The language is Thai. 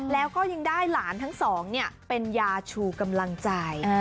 แล้วก็ยังได้หลานทั้งสองเป็นยาชูกำลังใจ